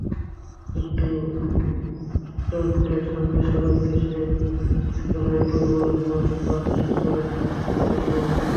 কিন্তু স্ট্যান্ডের সামনে সড়ক ঘেঁষে স্কাইলাইন পরিবহনের বাস পার্কিং করেন চালক বাবুল।